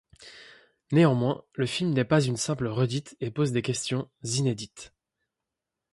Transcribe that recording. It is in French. Néanmoins, le film n'est pas une simple redite et pose des questions inédites.